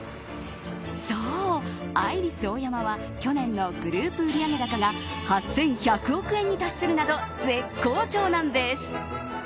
そう、アイリスオーヤマは去年のグループ売上高が８１００億円に達するなど絶好調なんです。